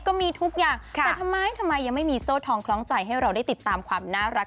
ก็มีทุกอย่างแต่ทำไมทำไมยังไม่มีโซ่ทองคล้องใจให้เราได้ติดตามความน่ารัก